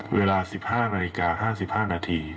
เวลา๑๕นาฬิกา๕๕นาที